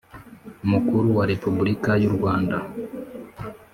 Mukuru wa Repubulika y u Rwanda